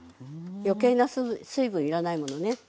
余計な水分要らないものね。